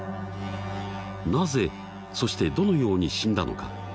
なぜそしてどのように死んだのか。